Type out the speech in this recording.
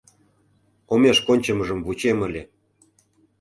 Омеш кончымыжым вучем ыле...